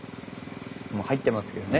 もう入ってますけどね。